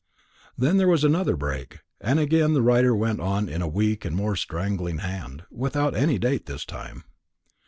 Then there was another break, and again the writer went on in a weak and more straggling hand, without any date this time.